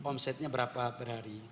omsetnya berapa per hari